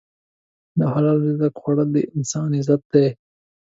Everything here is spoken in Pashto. د حلال رزق خوړل د انسان عزت دی.